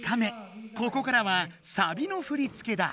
ここからはサビの振り付けだ。